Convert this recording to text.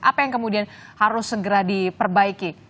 apa yang kemudian harus segera diperbaiki